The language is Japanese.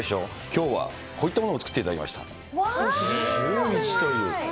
きょうは、こういったものを作っていただきました。